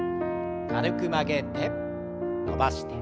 軽く曲げて伸ばして。